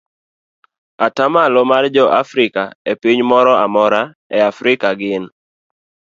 Atamalo mar joafrika e piny moro amora e Afrika gin